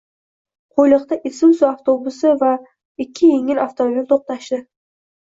Qo‘yliqda Isuzu avtobusi va ikki yengil avtomobil to‘qnashdi